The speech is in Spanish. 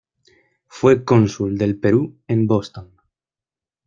Fue Cónsul del Perú en Boston.